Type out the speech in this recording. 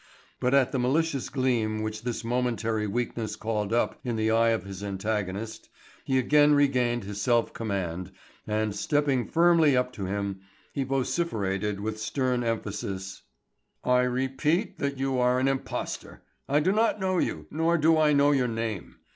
But at the malicious gleam which this momentary weakness called up in the eye of his antagonist, he again regained his self command, and stepping firmly up to him, he vociferated with stern emphasis: "I repeat that you are an impostor. I do not know you, nor do I know your name.